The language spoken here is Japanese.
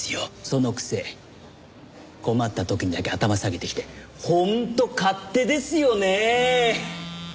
そのくせ困った時にだけ頭下げてきて本当勝手ですよねえ！